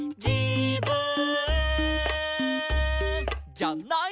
「じゃない」